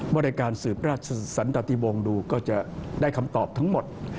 บริการสืบราชสันตติวงดูก็จะได้คำตอบทั้งหมด